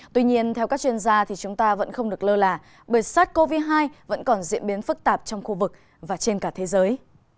tuy nhiên theo các chuyên gia thì chúng ta vẫn không được lơ là bởi sát covid một mươi chín vẫn còn diễn biến phức tạp trong khu vực và trên cả thế giới